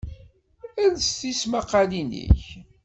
Els tismaqalin-ik!